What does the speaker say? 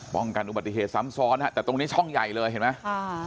กันอุบัติเหตุซ้ำซ้อนฮะแต่ตรงนี้ช่องใหญ่เลยเห็นไหมค่ะ